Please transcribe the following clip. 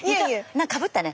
かぶったね